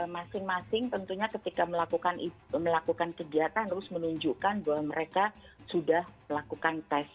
masing masing tentunya ketika melakukan kegiatan terus menunjukkan bahwa mereka sudah melakukan tes